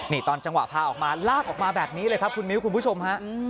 นี่ตอนจังหวะพาออกมาลากออกมาแบบนี้เลยครับคุณมิ้วคุณผู้ชมฮะ